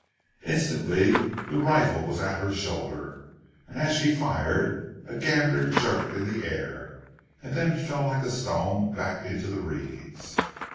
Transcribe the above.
Instantly the rifle was at her shoulder, and as she fired, a gander jerked in the air, and then fell like a stone back into the reeds.